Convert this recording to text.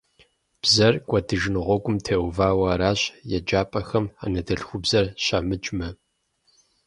Бзэр кӀуэдыжын гъуэгум теувауэ аращ еджапӀэхэм анэдэлъхубзэр щамыджмэ.